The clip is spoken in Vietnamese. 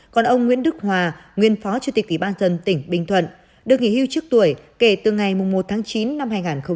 còn ông nguyễn đức hòa nguyên phó chủ tịch ủy ban dân tỉnh bình thuận được nghỉ hưu trước tuổi kể từ ngày một tháng chín năm hai nghìn một mươi chín